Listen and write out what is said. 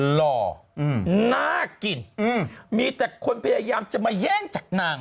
หล่อน่ากินมีแต่คนพยายามจะมาแย่งจากนาง